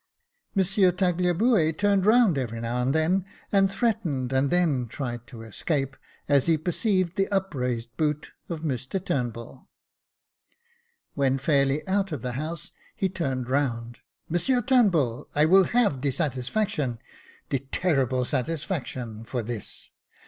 Monsieur Tagliabue turned round every now and then, Jacob Faithful 283 and threatened, and then tried to escape, as he perceived the upraised boot of Mr TurnbuU. When fairly out ot the house, he turned round, " Monsieur Turnbull, I will have de satisfaction, de terrible satisfaction, for this.